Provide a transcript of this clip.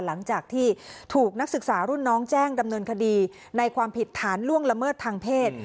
หลังจากที่ถูกนักศึกษารุ่นน้องแจ้งดำเนินคดีในความผิดฐานล่วงละเมิดทางเพศ